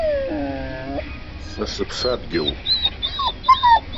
Са сыԥсадгьып.